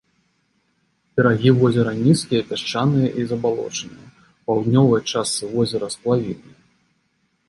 Берагі возера нізкія, пясчаныя і забалочаныя, у паўднёвай частцы возера сплавінныя.